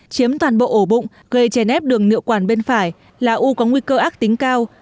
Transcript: chiếm toàn bộ ổ bụng gây chè nếp đường nựa quản bên phải là u có nguy cơ ác tính cao